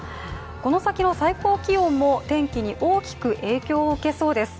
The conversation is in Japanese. この先の最高気温も天気に大きく影響を受けそうです。